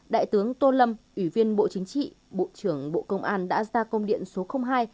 đại tướng tô lâm ủy viên bộ chính trị bộ trưởng bộ công an đã ra công điện số hai